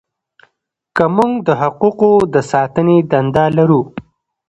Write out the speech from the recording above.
که موږ د حقوقو د ساتنې دنده لرو.